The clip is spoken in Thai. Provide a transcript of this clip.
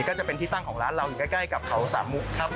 ก็จะเป็นที่ตั้งของร้านเราอยู่ใกล้กับเขาสามมุกครับ